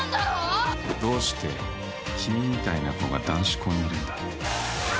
どうして君みたいな子が男子校にいるんだ？